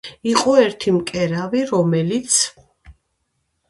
იყო ერთი მკერავი, რომელიც